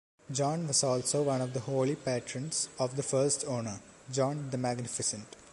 John was also one of the holy patrons of the first owner, John the Magnificent.